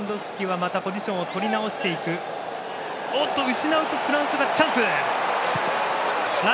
失うとフランスがチャンス。